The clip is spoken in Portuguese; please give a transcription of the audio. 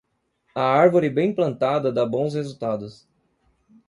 A árvore bem plantada dá bons resultados.